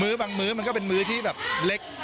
บางมื้อมันก็เป็นมื้อที่แบบเล็ก